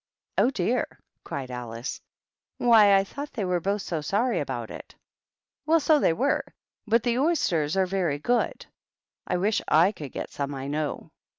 "Oh, dear!" cried Alice. "Why, I thought they were both so sorry about it." "Well, so they were. But oysters are very good. I wish / could get some, I know.